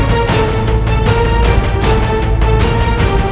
karena kamu kelwatan apapun yang kami tarik